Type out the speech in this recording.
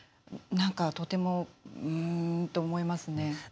とても、うーんと思いますね。